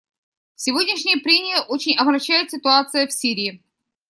Сегодняшние прения очень омрачает ситуация в Сирии.